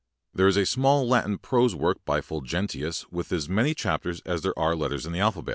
There is a small Latin prose work by Ful gentius with as many chapters as there are letters in the alphabet.